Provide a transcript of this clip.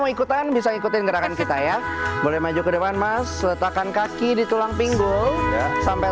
mau ikutan bisa ikutin gerakan kita ya boleh maju ke depan mas letakkan kaki di tulang pinggul sampai